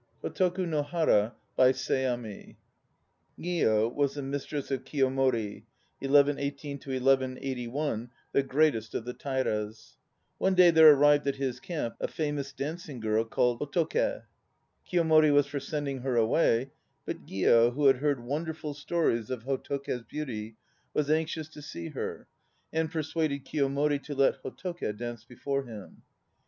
847 HOTOKE NO KARA By SEAMI GlO was the mistress of Kiyomori (1118 1181), the greatest of the Tairas. One day there arrived at his camp a famous dancing girl called Hotoke. Kiyomori was for sending her away; but Gio, who had heard wonderful stories of Hotoke's beauty, was anxious to see her, and persuaded Kiyomori to let Hotoke dance before him.